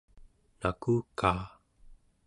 nakukaa